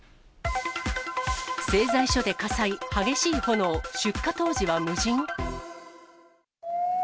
製材所で火災、激しい炎、出火当時は無人？